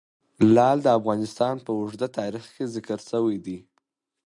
لعل د افغانستان په اوږده تاریخ کې ذکر شوی دی.